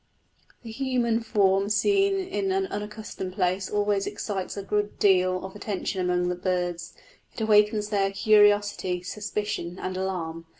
The human form seen in an unaccustomed place always excites a good deal of attention among the birds; it awakes their curiosity, suspicion, and alarm.